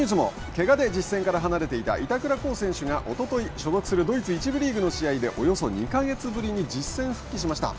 けがで実戦から離れていた板倉滉選手が、おととい、おととい、所属するドイツ１部リーグの試合でおよそ２か月ぶりに実戦復帰しました。